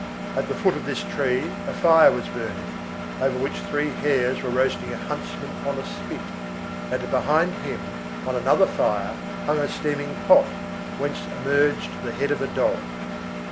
At the foot of this tree a fire was burning, over which three hares were roasting a huntsman on a spit, and behind him, on another fire, hung a steaming pot, whence emerged the head of a dog.